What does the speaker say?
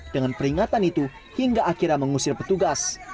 dengan peringatan itu hingga akhirnya mengusir petugas